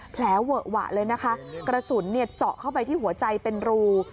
แผลเวอะหวะเลยนะคะกระสุนเจาะเข้าไปที่หัวใจเป็นรู